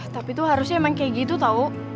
tapi tuh harusnya emang kayak gitu tau